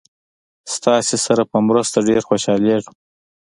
ستاسې سره په مرسته ډېر خوشحالیږم.